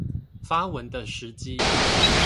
發文的時機